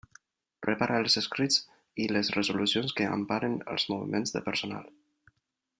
Prepara els escrits i les resolucions que emparen els moviments de personal.